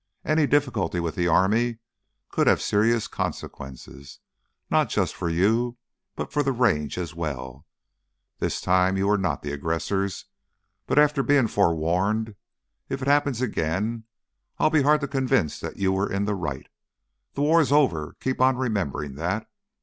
Any difficulty with the army could have serious consequences, not just for you, but for the Range as well. This time you were not the aggressors. But after being forewarned, if it happens again, I'll be hard to convince that you were in the right. The war's over—keep on remembering that.